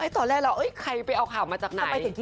ตอนแรกเราใครไปเอาข่าวมาจากไหน